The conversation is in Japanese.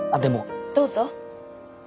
どうぞ。